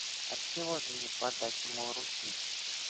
Отчего же не подать ему руки?